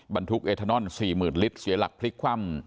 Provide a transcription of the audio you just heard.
บรรทุกเอทานอน๔๐๐๐ลิตรเสียหลักพลิกคว่ำ